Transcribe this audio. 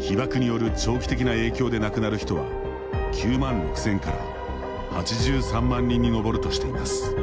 被曝による長期的な影響で亡くなる人は９万６０００から８３万人に上るとしています。